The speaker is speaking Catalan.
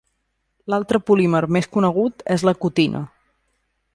L'altre polímer més conegut és la cutina.